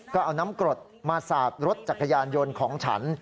ก็เอาน้ำกรดมาสาดรถจักรยานยนต์ของฉัน